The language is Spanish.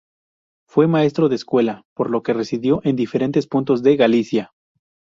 Fue maestro de escuela, por lo que residió en diferentes puntos de Galicia.